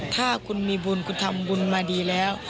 ถ้าคุณมีบุญคุณทำบุญมาดีแล้ว